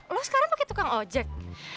lo sekarang pakai tukang ojek